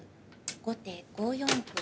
後手５四歩。